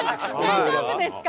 大丈夫ですか？